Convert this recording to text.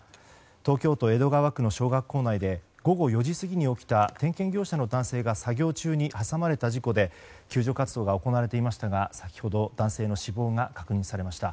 東京都江戸川区の小学校内で午後４時過ぎに起きた点検業者の男性が作業中に挟まれた事故で救助活動が行われていましたが先ほど、男性の死亡が確認されました。